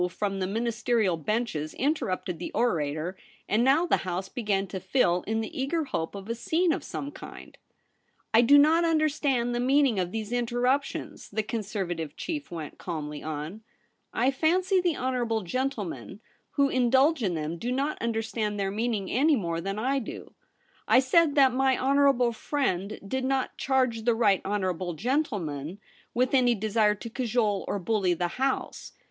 from the ministerial benches interrupted the orator, and now the House began to fill in the eager hope of a scene of some kind. ROLFE BELLARMIN. 199 ' I do not understand the meaning of these interruptions,' the Conservative chief went calmly on ;' I fancy the honourable gentle men who indulge in them do not understand their meaning any more than I do. I said that my honourable friend did not charge the right honourable gentleman with any desire to cajole or bully the House.